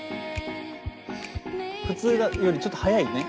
普通よりちょっと早いよね